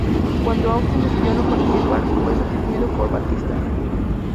Cuando Austin decidió no participar, fue sustituido por Batista.